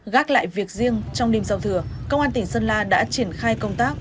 gác lại việc riêng trong đêm sau thừa công an tỉnh sơn la đã triển khai công tác